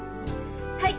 はい！